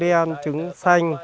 với là trứng đỏ trứng đen trứng xanh